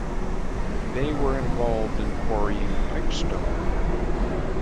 They were involved in quarrying pipestone.